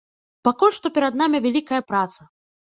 Пакуль што перад намі вялікая праца.